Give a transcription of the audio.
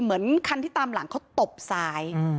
เหมือนคันที่ตามหลังเขาตบซ้าย